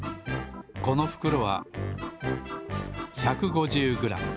このふくろは１５０グラム。